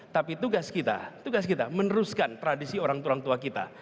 tapi tugas kita meneruskan tradisi orang tua kita